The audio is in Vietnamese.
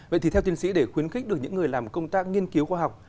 vậy thì theo tiến sĩ để khuyến khích được những người làm công tác nghiên cứu khoa học